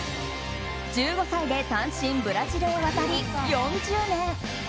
１５歳で単身ブラジルへ渡り４０年。